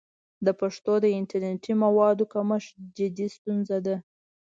د پښتو د انټرنیټي موادو کمښت جدي ستونزه ده.